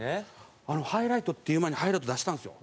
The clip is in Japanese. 「ハイライト」って言う前にハイライト出したんですよ。